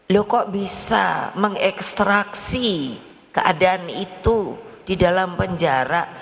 loh kok bisa mengekstraksi keadaan itu di dalam penjara